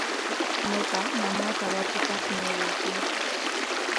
Ñuqa mamaata watukaqmi aywaykaa.